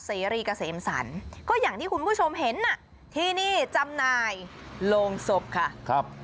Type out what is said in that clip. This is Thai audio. เสรีเกษมสรรก็อย่างที่คุณผู้ชมเห็นน่ะที่นี่จำหน่ายโรงศพค่ะครับ